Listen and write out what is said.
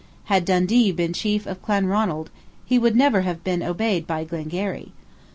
Had Dundee been chief of Clanronald, he would never have been obeyed by Glengarry.